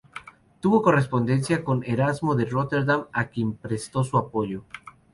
Tuvo correspondencia con Erasmo de Róterdam, a quien prestó su apoyo.